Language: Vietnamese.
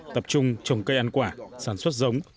tập trung trồng cây ăn quả sản xuất giống